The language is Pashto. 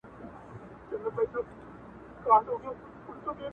هم لباس هم یې ګفتار د ملکې وو،